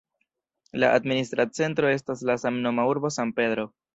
La administra centro estas la samnoma urbo San Pedro.